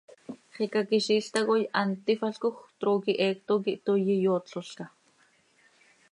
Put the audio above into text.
Xicaquiziil tacoi hant tífalcoj, trooquij heecto quih toii iyootlolca.